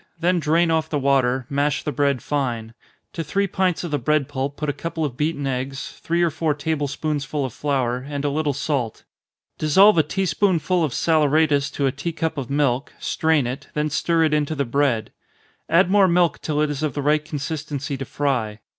Then drain off the water, mash the bread fine to three pints of the bread pulp put a couple of beaten eggs, three or four table spoonsful of flour, and a little salt dissolve a tea spoonful of saleratus to a tea cup of milk, strain it, then stir it into the bread add more milk till it is of the right consistency to fry.